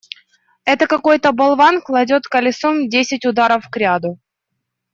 Это какой-то болван кладет колесом десять ударов кряду.